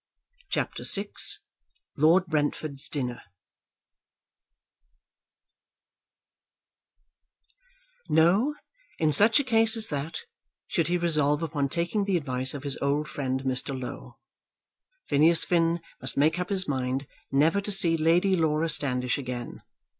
CHAPTER VI Lord Brentford's Dinner No; in such case as that, should he resolve upon taking the advice of his old friend Mr. Low, Phineas Finn must make up his mind never to see Lady Laura Standish again!